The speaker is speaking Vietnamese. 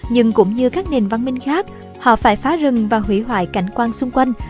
nhưng cũng như các nền văn minh khác họ phải phá rừng và hủy hoại cảnh quan xung quanh